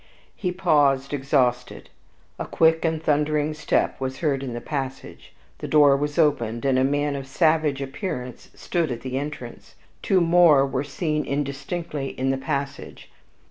He paused, exhausted, a quick and thundering step was heard in the passage. The door was opened, and a man of savage appearance stood at the entrance, two more were seen indistinctly in the passage.